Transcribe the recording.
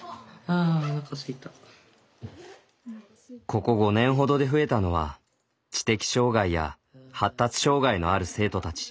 ここ５年ほどで増えたのは知的障害や発達障害のある生徒たち。